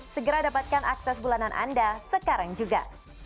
segera dapatkan akses bulanan anda sekarang juga